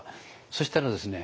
そしたらですね